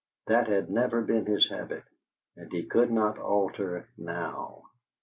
That had never been his habit, and he could not alter now.